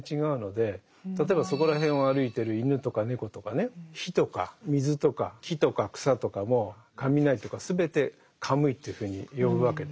例えばそこら辺を歩いてる犬とか猫とかね火とか水とか木とか草とかもかみなりとか全てカムイというふうに呼ぶわけです。